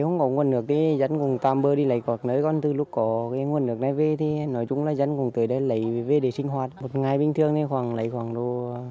ngày bình thường thì khoảng lấy khoảng đô